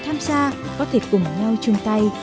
tham gia có thể cùng nhau chung tay